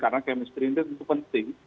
karena kemistri itu tentu penting